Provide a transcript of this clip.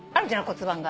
骨盤が。